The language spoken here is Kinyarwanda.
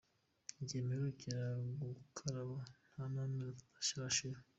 Igihe mperukira gukaraba nta n’amezi atatu arashira.